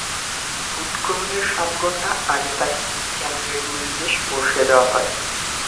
Vote গ্রহণের সাত ঘণ্টা আগে তাঁকে কেন্দ্রের নির্দেশে বসিয়ে দেওয়া হয়।